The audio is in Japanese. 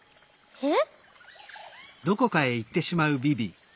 えっ？